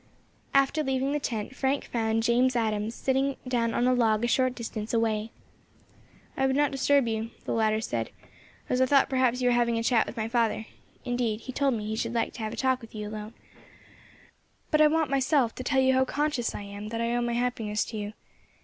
After leaving the tent, Frank found James Adams sitting down on a log a short distance away. "I would not disturb you," the latter said, "as I thought perhaps you were having a chat with my father indeed he told me he should like to have a talk with you alone; but I want myself to tell you how conscious I am that I owe my happiness to you.